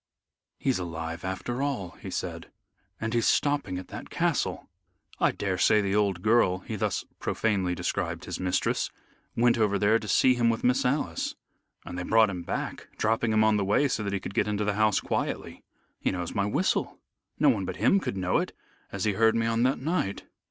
"He's alive after all," he said, "and he's stopping at that castle. I daresay the old girl" he thus profanely described his mistress "went over to there to see him with Miss Alice. And they brought him back, dropping him on the way so that he could get into the house quietly. He knows my whistle. No one but him could know it, as he heard me on that night.